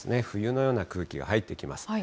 冬のような空気が入ってきます。